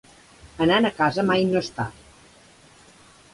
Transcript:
Anant a casa mai no és tard.